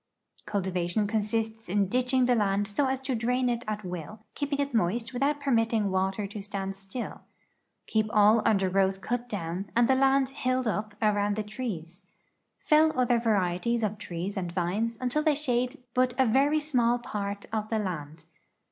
Cultivation consists in ditching the land so as to drain it at will, keeping it moist without permitting water to stand. Keep all undergrowth cut down and the land "'hilled up" around the trees. Fell other varieties of trees and vines until they shade but a very small part of the land.